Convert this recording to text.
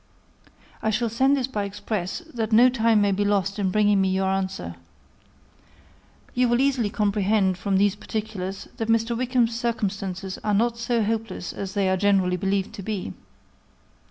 I shall send this by express, that no time may be lost in bringing me your answer. You will easily comprehend, from these particulars, that Mr. Wickham's circumstances are not so hopeless as they are generally believed to be.